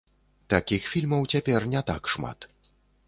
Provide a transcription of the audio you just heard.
Такіх фільмаў цяпер не так шмат.